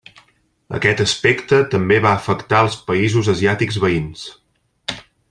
Aquest aspecte també va afectar els països asiàtics veïns.